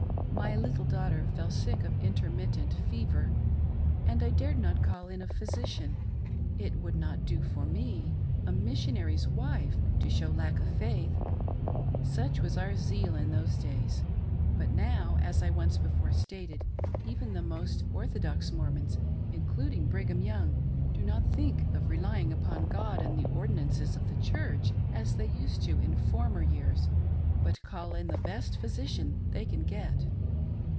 My little daughter fell sick of intermittent fever, and I dared not call in a physician ; it would not do for me — a mis sionary's wife, to show lack of faith. Such was our zeal in those days ; but now, as I once before stated, even the most orthodox Mormons, including Brigham Young, do not think of relying upon God and the ordinances of the Church, as they used to in former years, but call in the best physician they can get.